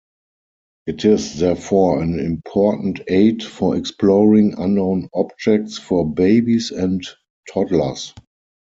It is therefore an important aid for exploring unknown objects for babies and toddlers.